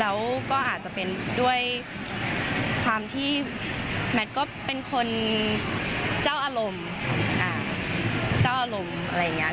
แล้วก็อาจจะเป็นด้วยความที่แมทก็เป็นคนเจ้าอารมณ์เจ้าอารมณ์อะไรอย่างนี้